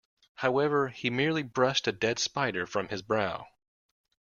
However, he merely brushed a dead spider from his brow.